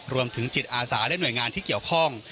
รวมถึงจิตอาสาและหน่วยงานที่เกี่ยวข้อง